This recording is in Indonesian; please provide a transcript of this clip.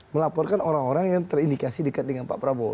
melaporkan orang orang yang terindikasi dekat dengan pak prabowo